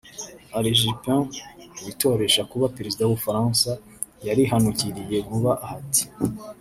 Alain Juppe witoresha kuba Prezida w’ubufransa yarihanukiriye vuba aha ati